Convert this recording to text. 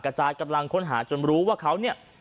กระจายกำลังค้นหาจนรู้ว่าเขาเนี่ย